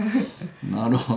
なるほど。